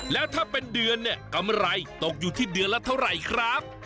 แล้วถ้าเป็นเดือนเนี่ยกำไรตกอยู่ที่เดือนละเท่าไหร่ครับ